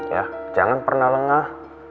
ya jangan pernah lengah